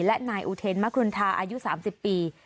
และนายอุเทนมครุณทาอายุ๓๐ปี